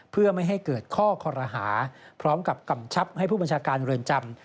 เพื่อไม่ให้เกิดข้อคอรหาพร้อมกับกำชับให้ผู้บัญชาการเรือนจำ